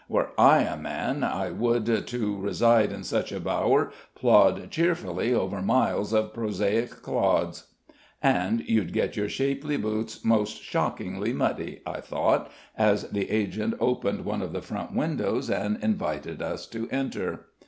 Were I a man, I would, to reside in such a bower, plod cheerily over miles of prosaic clods." "And you'd get your shapely boots most shockingly muddy," I thought, as the agent opened one of the front windows and invited us to enter.